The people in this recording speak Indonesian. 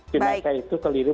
jumat saya itu keliru